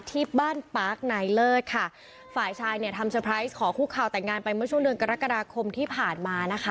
ที่บ้านปาร์คนายเลิศค่ะฝ่ายชายเนี่ยทำเตอร์ไพรส์ขอคู่ข่าวแต่งงานไปเมื่อช่วงเดือนกรกฎาคมที่ผ่านมานะคะ